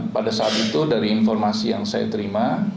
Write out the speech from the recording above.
pada saat itu dari informasi yang saya terima